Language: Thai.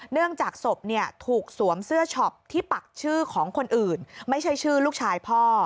เนื่องจากศพถูกสวมเสื้อช็อปที่ปักชื่อของคนอื่นไม่ใช่ชื่อลูกชายพ่อ